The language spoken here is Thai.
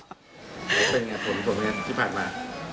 เป็นยังไงผลเย็นที่ผ่านมา